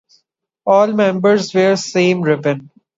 All members wear the same ribbon.